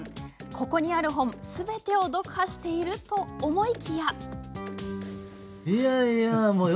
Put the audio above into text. ここにある本すべてを読破していると思いきや。